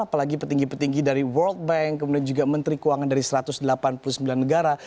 apalagi petinggi petinggi dari world bank kemudian juga menteri keuangan dari satu ratus delapan puluh sembilan negara